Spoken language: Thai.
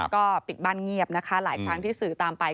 ก็ปิดบ้านเงียบนะคะหลายครั้งที่สื่อตามไป